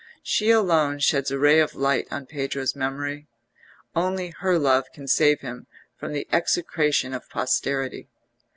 She alone sheds a ray of light on Pedro's memory, only her love can save him from the execration of posterity.